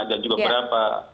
dan juga berapa